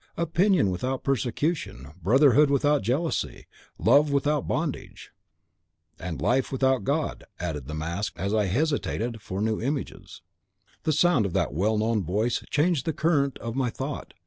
Opinion without persecution; brotherhood without jealousy; love without bondage ' "'And life without God,' added the mask as I hesitated for new images. "The sound of that well known voice changed the current of my thought.